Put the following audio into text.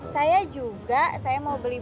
saya juga saya mau beli baju baru sama kerak telor